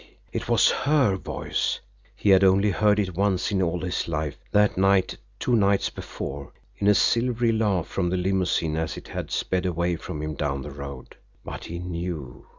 It was HER voice he had only heard it once in all his life that night, two nights before, in a silvery laugh from the limousine as it had sped away from him down the road but he knew!